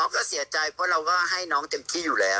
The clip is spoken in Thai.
ก็เสียใจเพราะเราก็ให้น้องเต็มที่อยู่แล้ว